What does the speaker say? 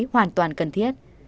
hoàn toàn cần thiết